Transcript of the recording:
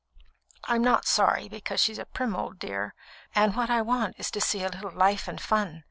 I'm not sorry, because she's a prim old dear, and what I want is to see a little life and fun.